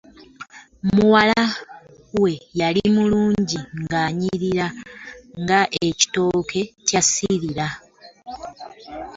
Muwalawe yali mulunji nga anyirira nga ekitooke kya ssiiira .